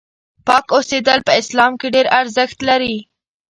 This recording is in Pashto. پاک اوسېدل په اسلام کې ډېر ارزښت لري.